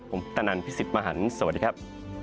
ผมตะนันพี่สิทธิ์มหันฯสวัสดีครับ